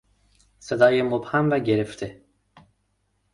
صدای مبهم و گرفته